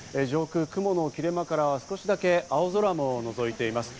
雲の切れ間からは少しだけ青空ものぞいています。